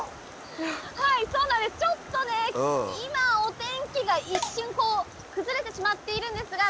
ちょっとね今お天気が一瞬崩れてしまっているんですが。